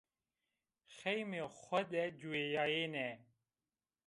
Xeymê xo de ciwîyayêne